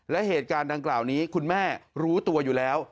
และเหตุการณ์ดังกล่าวนี้คุณแม่รู้ตัวอยู่แล้ว